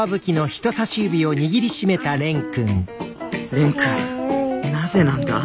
蓮くんなぜなんだ。